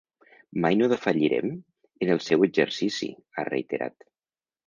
Mai no defallirem en el seu exercici, ha reiterat.